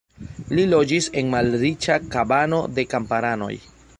Li loĝis en malriĉa kabano de kamparanoj.